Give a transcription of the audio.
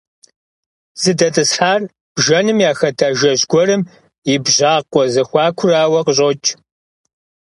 ЗыдэтӀысхьар бжэным яхэт ажэжь гуэрым и бжьакъуэ зэхуакурауэ къыщӀокӀ.